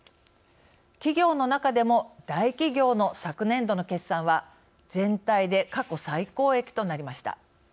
企業の中でも大企業の昨年度の決算は全体で過去最高益となりました。